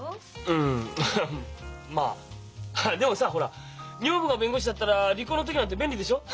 うんまあでもさあほら女房が弁護士だったら離婚の時なんて便利でしょう。